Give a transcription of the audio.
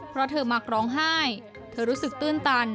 เพราะเธอมักร้องไห้เธอรู้สึกตื้นตัน